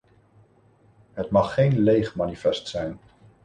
Het mag geen leeg manifest zijn.